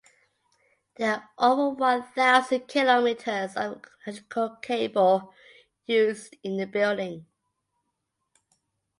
There are over one thousand kilometers of electrical cable used in the building.